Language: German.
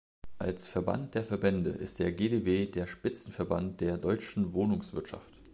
Als „Verband der Verbände“ ist der GdW der Spitzenverband der deutschen Wohnungswirtschaft.